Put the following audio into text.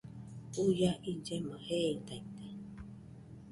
Juia illeno jeeidaite